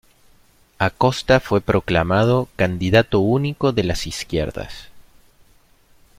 Acosta fue proclamado "Candidato Único de las Izquierdas".